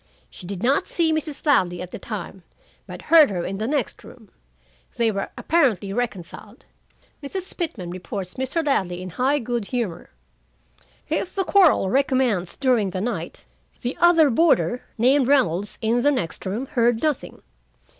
She did not see Mrs. Ladley at the time, but heard her in the next room. They were apparently reconciled: Mrs. Pitman reports Mr. Ladley in high good humor. If the quarrel recommenced during the night, the other boarder, named Reynolds, in the next room, heard nothing.